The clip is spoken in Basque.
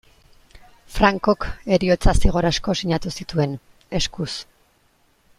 Francok heriotza-zigor asko sinatu zituen, eskuz.